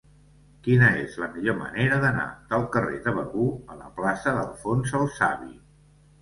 Quina és la millor manera d'anar del carrer de Begur a la plaça d'Alfons el Savi?